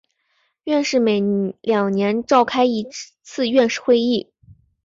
院士每两年召开一次院士会议。